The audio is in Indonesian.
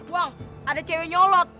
wang ada cewek nyolot